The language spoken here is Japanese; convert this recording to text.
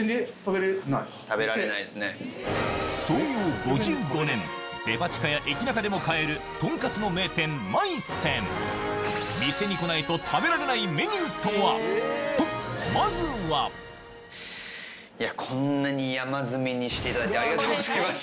創業５５年デパ地下や駅中でも買えるとんかつの名店まい泉とまずはいやこんなに山積みにしていただいてありがとうございます。